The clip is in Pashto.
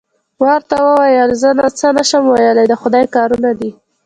ما ورته وویل: زه څه نه شم ویلای، د خدای کارونه دي.